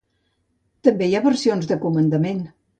També hi ha versions de comandament.